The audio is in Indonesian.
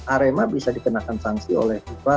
arema bisa dikenakan sanksi oleh fifa